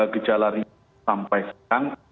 gejala ribut sampai akhir tahun ini